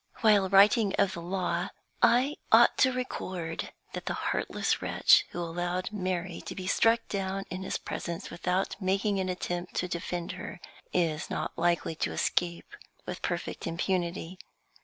While writing of the law, I ought to record that the heartless wretch who allowed Mary to be struck down in his presence without making an attempt to defend her is not likely to escape with perfect impunity.